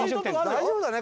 大丈夫だね